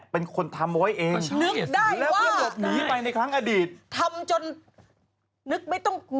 นี่เป็นอาชีพ